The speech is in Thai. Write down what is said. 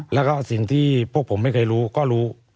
แล้วก็สิ่งที่พวกผมไม่เคยรู้ก็รู้